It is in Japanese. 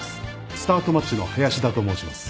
スタートマッチの林田と申します。